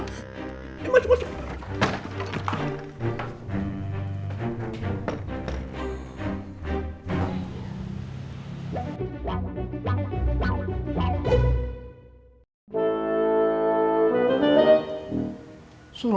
habis gak mau nyerti